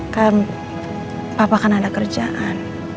kayak papa kan ada kerjaan